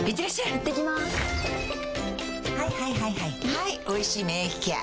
はい「おいしい免疫ケア」